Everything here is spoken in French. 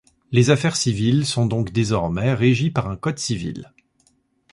Les affaires civiles sont donc désormais régies par un Code Civil.